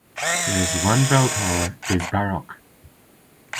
There is one bell tower is Baroque.